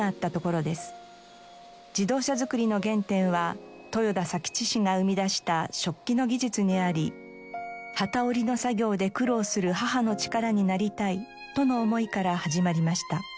自動車づくりの原点は豊田佐吉氏が生み出した織機の技術にあり機織りの作業で苦労する母の力になりたいとの思いから始まりました。